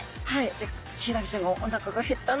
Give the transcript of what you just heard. ヒイラギちゃんがおなかが減ったな。